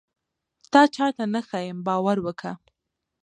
تا چاته نه ښيم باور وکه.